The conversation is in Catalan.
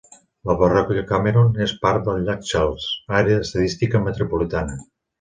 La parròquia Cameron és part del Llac Charles, àrea estadística metropolitana.